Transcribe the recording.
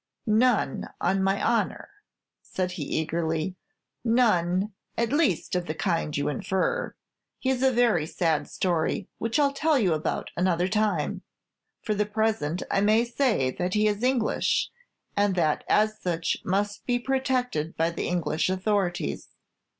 "None, on my honor," said he, eagerly; "none, at least, of the kind you infer. His is a very sad story, which I 'll tell you about at another time. For the present, I may say that he is English, and as such must be protected by the English authorities.